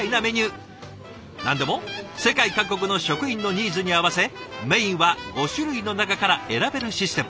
何でも世界各国の職員のニーズに合わせメインは５種類の中から選べるシステム。